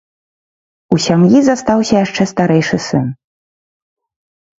У сям'і застаўся яшчэ старэйшы сын.